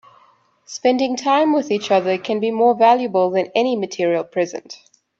Spending time with each other can be more valuable than any material present.